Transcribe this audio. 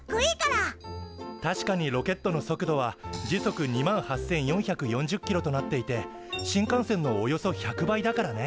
確かにロケットの速度は時速２万８，４４０キロとなっていて新幹線のおよそ１００倍だからね。